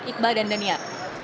iqbal dan daniar